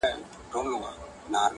د غپا او انګولا یې ورک درک سي -